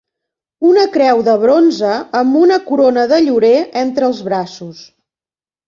Una creu de bronze amb una corona de llorer entre els braços.